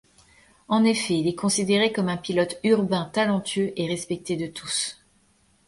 En effet, il est considéré comme un pilote urbain talentueux et respecté de tous.